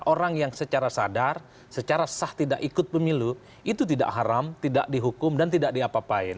orang yang secara sadar secara sah tidak ikut pemilu itu tidak haram tidak dihukum dan tidak diapa apain